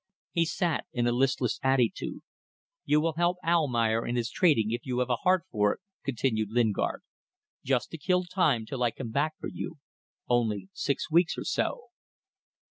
He sat in a listless attitude. "You will help Almayer in his trading if you have a heart for it," continued Lingard, "just to kill time till I come back for you. Only six weeks or so."